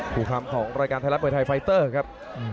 ผู้คำของรายการไทยรัฐมวยไทยไฟเตอร์ครับ